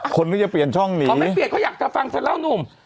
คนนี้จะเปลี่ยนช่องนี้เขาไม่เปลี่ยนเขาอยากจะฟังเธอเล่านุ่ม